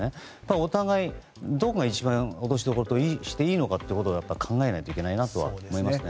お互い、どこが一番落としどころとしていいのかを考えないといけないなとは思いますね。